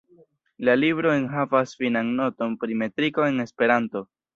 La libro enhavas finan noton pri metriko en Esperanto.